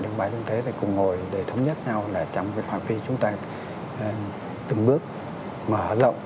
đường bay quốc tế thì cùng ngồi để thống nhất nhau là trong cái khoảng phiên chúng ta từng bước mở rộng